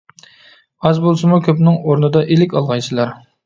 ئاز بولسىمۇ كۆپنىڭ ئورنىدا ئىلىك ئالغايسىلەر.